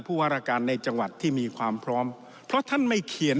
วารการในจังหวัดที่มีความพร้อมเพราะท่านไม่เขียน